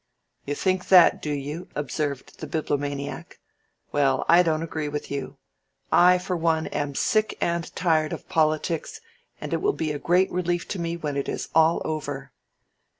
"You think that, do you?" observed the Bibliomaniac. "Well, I don't agree with you. I for one am sick and tired of politics, and it will be a great relief to me when it is all over."